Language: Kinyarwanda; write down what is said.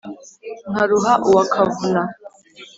nkaruha uwa kavuna